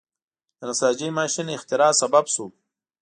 د نساجۍ ماشین اختراع سبب شو.